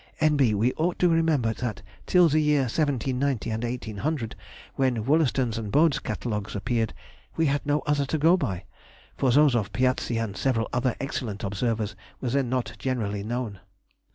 N.B. We ought to remember that till the year 1790 and 1800, when Wollaston's and Bode's Catalogues appeared, we had no other to go by, for those of Piazzi and several other excellent observers were then not generally known.